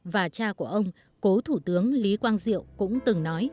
và cha của ông cố thủ tướng lý quang diệu cũng từng nói